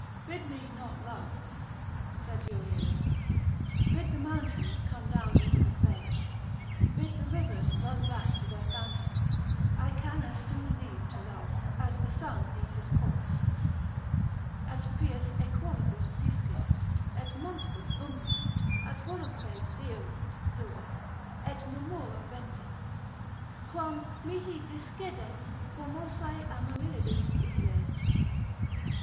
Bid me not love, said Euryalus, bid the mountains come down into the plains, bid the rivers run back to their fountains; I can as soon leave to love, as the sun leave his course; Et prius aequoribus pisces, et montibus umbrae, Et volucres deerunt sylvis, et murmura ventis, Quam mihi discedent formosae Amaryllidis ignes.